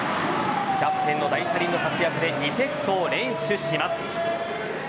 キャプテンの大車輪の活躍で２セットを連取します。